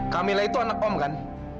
kamila itu anak om kan